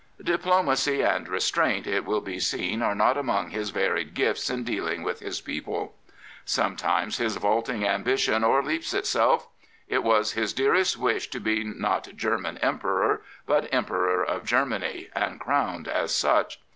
Diplomacy and restraint, it will be seen, are not among his varied gifts in dealing with his people. Sometimes his vaulting ambition overleaps itself. It was his dearest wish to be not German Emperor, but Emperor of Germany, and crowned as such.